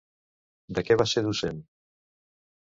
De què va ser docent?